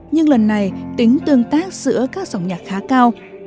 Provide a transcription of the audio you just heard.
nhưng lần này tính tương tác giữa các dòng nhạc khá cao